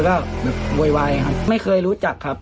แล้วก็เวยครับไม่เคยรู้จักครับ